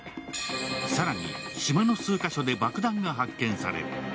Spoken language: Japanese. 更に、島の数か所で爆弾が発見される。